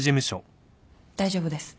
大丈夫です。